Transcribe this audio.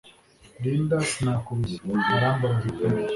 Linda sinakubeshya birambabaza pe